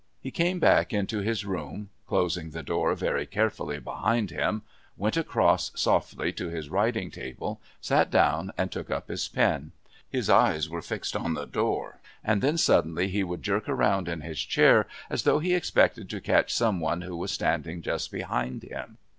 He came back into his room, closing the door very carefully behind him, went across softly to his writing table, sat down, and took up his pen. His eyes were fixed on the door, and then suddenly he would jerk round in his chair as though he expected to catch some one who was standing just behind him.